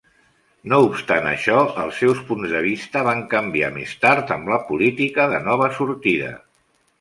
No obstant això, els seus punts de vista van canviar més tard amb la política de Nova Sortida.